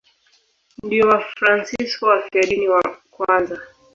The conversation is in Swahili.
Ndio Wafransisko wafiadini wa kwanza.